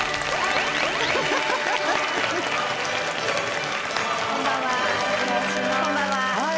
はいこんばんは。